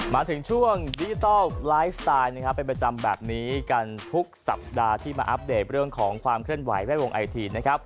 มาถึงช่วงดิจิทัลไลฟ์สไตล์นะครับเป็นประจำแบบนี้กันทุกสัปดาห์ที่มาอัปเดตเรื่องของความเคลื่อนไหวแวดวงไอทีนะครับ